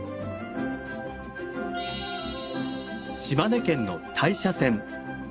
島根県の大社線。